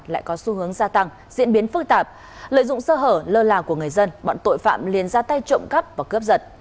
lại có xu hướng gia tăng diễn biến phức tạp lợi dụng sơ hở lơ là của người dân bọn tội phạm liền ra tay trộm cắp và cướp giật